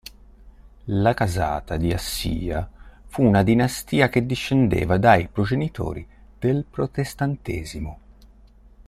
La casata di Assia fu una dinastia che discendeva dai progenitori del protestantesimo.